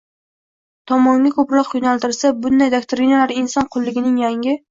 tomonga ko‘proq yo‘naltirilsa, bunday doktrinalar inson qulligining yangi